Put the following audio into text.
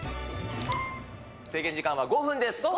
制限時間は５分です。